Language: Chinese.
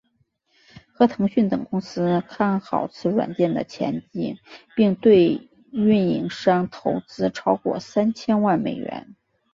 和腾讯等公司看好此软件的前景并对运营商投资超过三千万美元。